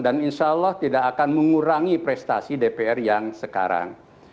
dan insya allah tidak akan mengurangi prestasi dpr yang sekarang